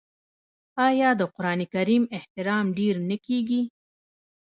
آیا د قران کریم احترام ډیر نه کیږي؟